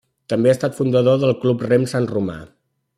També ha estat fundador del Club Rem Sant Romà.